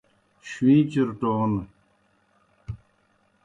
شُویں چُرٹون